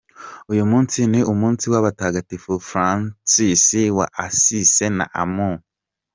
Uyu munsi ni umunsi w’abatagatifu Francis wa Assise na Amun.